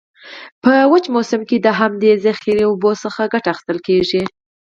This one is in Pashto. په وچ موسم کې د همدي ذخیره اوبو څخه کټه اخیستل کیږي.